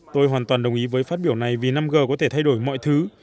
tôi hoàn toàn đồng ý với phát biểu này vì năm g có thể thay đổi mọi thứ